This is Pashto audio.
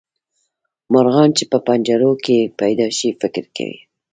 مرغان چې په پنجرو کې پیدا شي فکر کوي.